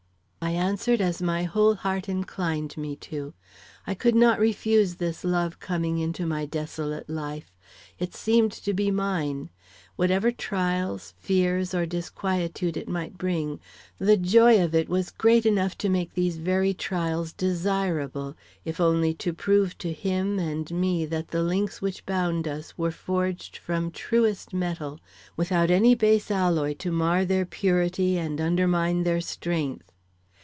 I answered as my whole heart inclined me to. I could not refuse this love coming into my desolate life. It seemed to be mine. Whatever trials, fear, or disquietude it might bring, the joy of it was great enough to make these very trials desirable, if only to prove to him and me that the links which bound us were forged from truest metal, without any base alloy to mar their purity and undermine their strength.